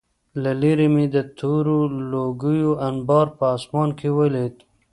له لېرې مې د تورو لوګیو انبار په آسمان کې ولید